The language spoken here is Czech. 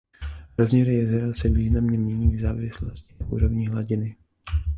Rozměry jezera se významně mění v závislosti na úrovni hladiny.